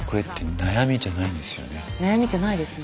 悩みじゃないですね。